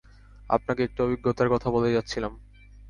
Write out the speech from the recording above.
আপনাকে একটা অভিজ্ঞতার কথা বলতে চাচ্ছিলাম।